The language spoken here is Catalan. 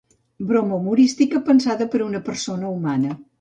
Broma humorística pensada per una persona humana.